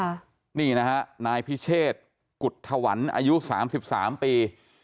นี่นะฮะนายพิเชษกุฎถวันอายุสามสิบสามปี